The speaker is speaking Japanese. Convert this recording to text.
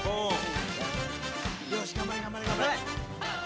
頑張れ頑張れ頑張れ！